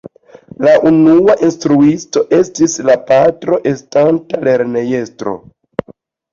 Lia unua instruisto estis la patro estanta lernejestro.